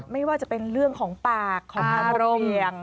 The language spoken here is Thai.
ไม่ว่าจะเป็นเรื่องของปากของอารมณ์